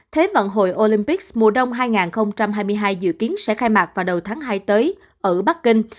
thế vận hội olympic mùa đông hai nghìn hai mươi hai dự kiến sẽ khai mạc vào đầu tháng hai tới ở bắc kinh